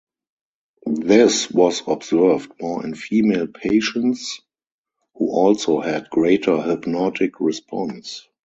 This was observed more in female patients, who also had greater hypnotic response.